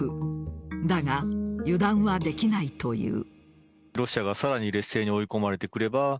だが、油断はできないという。